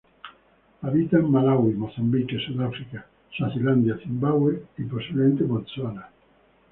Habita en Malaui, Mozambique, Sudáfrica, Suazilandia, Zimbabue y posiblemente Botsuana.